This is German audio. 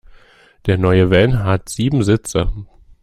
Der neue Van hat sieben Sitze.